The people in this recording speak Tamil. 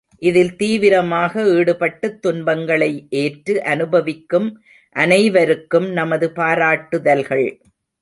இதில் தீவிரமாக ஈடுபட்டுத் துன்பங்களை ஏற்று அனுபவிக்கும் அனைவருக்கும் நமது பாராட்டுதல்கள்!